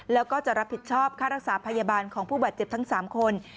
แล้วก็จะรับผิดชอบค่ารักษาพยาบาลของผู้บาดเจ็บทั้ง๓คน